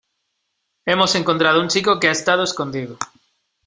hemos encontrado a un chico que ha estado escondido